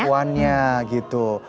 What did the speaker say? saudara perempuannya gitu